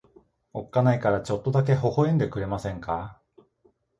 おっかないからちょっとだけ微笑んでくれませんか。